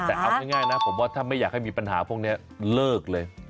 แต่เอาง่ายนะผมว่าถ้าไม่อยากให้มีปัญหาพวกนี้เลิกเลย